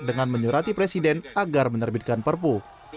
dengan menyurati presiden agar menerbitkan perpu